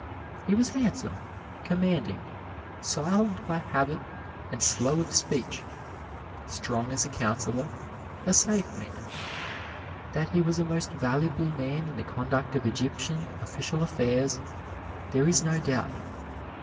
He was handsome, commanding, silent by habit and slow of speech, strong as a counselor, a safe man. That he was a most valuable man in the conduct of Egyptian official affairs, there is no doubt.